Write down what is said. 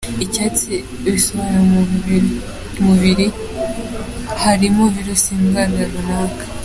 icyatsi bisobanuye ko mu mubiri harimo virusi y’indwara runaka.